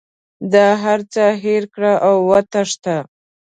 د هر څه هېر کړه او وتښته.